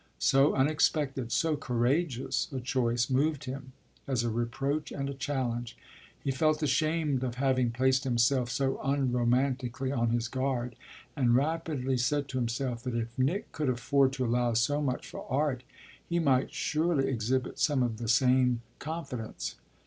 So unexpected, so courageous a choice moved him as a reproach and a challenge. He felt ashamed of having placed himself so unromantically on his guard, and rapidly said to himself that if Nick could afford to allow so much for "art" he might surely exhibit some of the same confidence.